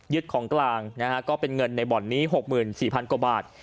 ของกลางนะฮะก็เป็นเงินในบ่อนนี้๖๔๐๐กว่าบาท